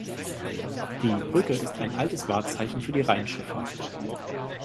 Die Brücke ist ein altes Wahrzeichen für die Rheinschifffahrt.